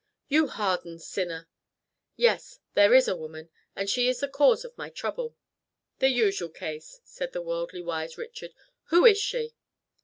"You hardened sinner. Yes! There is a woman, and she is the cause of my trouble." "The usual case," said the worldly wise Richard. "Who is she?"